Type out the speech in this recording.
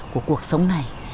của cuộc sống này